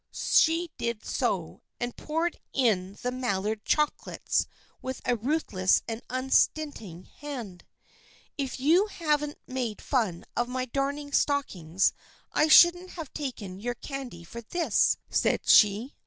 She did so, and poured in the Maillard choco lates with a ruthless and an unstinting hand. " If you hadn't made fun of my darning stock ings I shouldn't have taken your candy for this," said she.